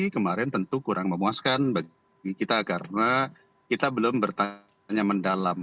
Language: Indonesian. kemarin tentu kurang memuaskan bagi kita karena kita belum bertanya mendalam